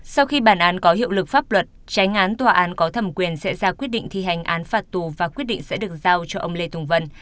sau khi bản án có hiệu lực pháp luật tránh án tòa án có thẩm quyền sẽ ra quyết định thi hành án phạt tù và quyết định sẽ được giao cho ông lê thùng vân